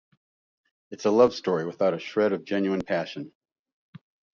It's a love story without a shred of genuine passion.